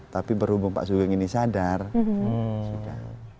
tapi berhubung pak sugeng ini sadar sudah